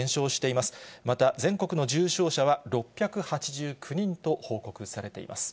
また、全国の重症者は６８９人と報告されています。